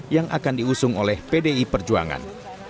yang akan diusung oleh pdi perjuangan